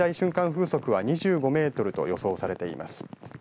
風速は２５メートルと予想されています。